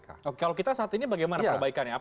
kalau kita saat ini bagaimana perbaikan ya